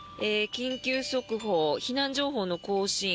緊急速報避難情報の更新